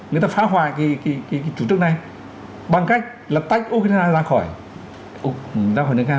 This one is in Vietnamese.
nói hoài chủ trương này bằng cách là tách ukraine ra khỏi nga